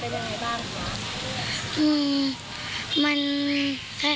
เป็นยังไงบ้างครับ